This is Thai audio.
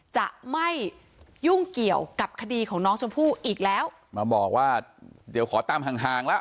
จะไม่ยุ่งเกี่ยวกับคดีของน้องชมพู่อีกแล้วมาบอกว่าเดี๋ยวขอตามห่างห่างแล้ว